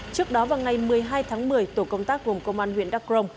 trước đó vào ngày một mươi hai tháng một mươi tổ công tác gồm công an huyện đắc crông